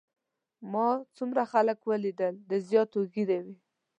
ما څومره خلک ولیدل د زیاترو ږیرې وې.